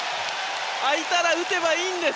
空いたら打てばいいんです。